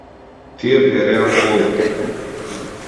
Тие береа плодови.